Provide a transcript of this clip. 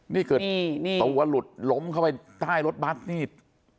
นี่คือตัวลุดล้มเข้าไปใต้รถบัส